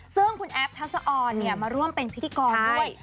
ซึ่งคนแอ๊บทัศนอรเนี้ยมาร่วมเป็นพิกกรด้วย